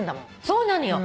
そうなのよ。